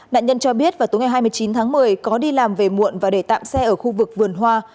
nạn nhân cho biết vào tối ngày hai mươi chín tháng một mươi có đi làm về muộn và để tạm xe ở khu vực vườn hoa